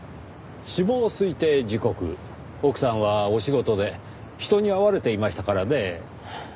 死亡推定時刻奥さんはお仕事で人に会われていましたからねぇ。